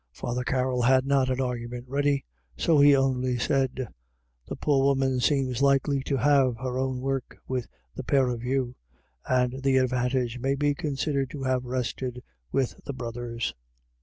Father Carroll had not an argument ready, so he only said, " The poor woman seems likely to have her own work with the pair of you," and the ad vantage may be considered to have rested with the brothers.